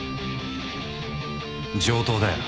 上等だよ。